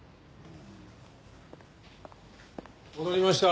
戻りました。